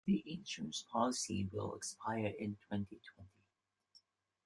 The insurance policy will expire in twenty-twenty.